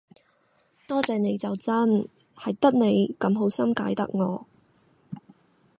多謝你就真，係得你咁好心解答我